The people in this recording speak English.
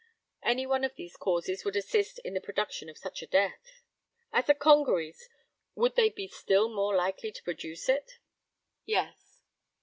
Any one of these causes would assist in the production of such a death. As a congeries, would they be still more likely to produce it? Yes.